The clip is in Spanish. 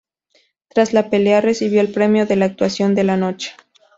Tras la pelea, recibió el premio a la "Actuación de la Noche".